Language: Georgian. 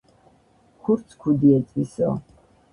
ქურდს ქუდი ეწვისო